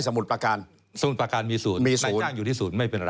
สมุดปาการมีศูนย์นายจ้างอยู่ที่ศูนย์ไม่เป็นไร